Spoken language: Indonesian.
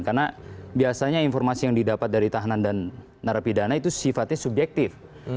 karena biasanya informasi yang didapat dari tahanan dan narapidana itu sifatnya subjektif